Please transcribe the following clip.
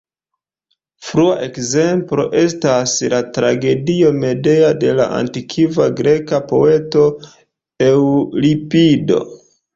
Frua ekzemplo estas la tragedio "Medea" de la antikva greka poeto Eŭripido.